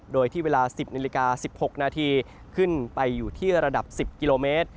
โดยที่เวลา๑๐นาฬิกา๑๖นาทีขึ้นไปอยู่ที่ระดับ๑๐กิโลเมตร